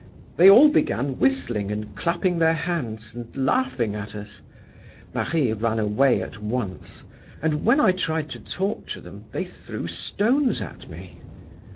They all began whistling and clapping their hands, and laughing at us. Marie ran away at once; and when I tried to talk to them, they threw stones at me.